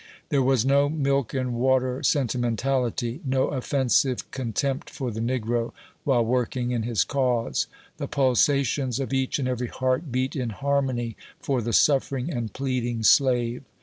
There was ho milk and water sentimentality — no offensive contempt for the negro, while working in his cause ; the pulsations of each and every heart beat in harmony for the suffering and pleading slave.